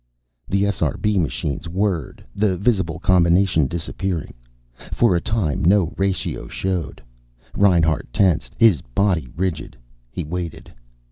The SRB machines whirred, the visible combination disappearing. For a time no ratio showed. Reinhart tensed, his body rigid. He waited.